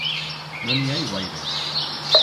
No n'i hai guaires.